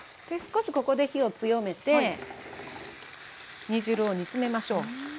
で少しここで火を強めて煮汁を煮詰めましょう。